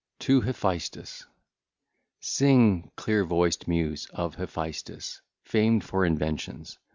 TO HEPHAESTUS (ll. 1 7) Sing, clear voiced Muses, of Hephaestus famed for inventions.